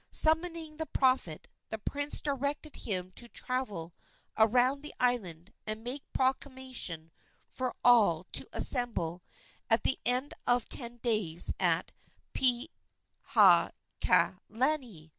Summoning the prophet, the prince directed him to travel around the island and make proclamation for all to assemble at the end of ten days at Pihanakalani.